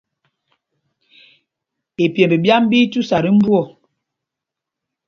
Ipyêmb ɓyā ɓí í tüsa tí mbú ɔ.